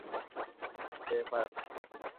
ٹیپر